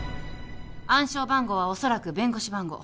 暗証番号はおそらく弁護士番号。